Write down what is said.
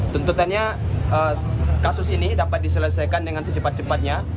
tuntutannya kasus ini dapat diselesaikan dengan secepat cepatnya